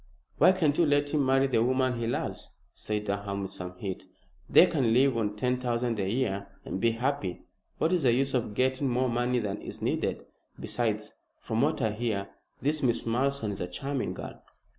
"Why can't you let him marry the woman he loves?" said Durham, with some heat. "They can live on ten thousand a year and be happy. What is the use of getting more money than is needed? Besides, from what I hear, this Miss Malleson is a charming girl."